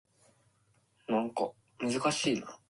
"Too cold," said Della briefly.